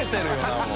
もう。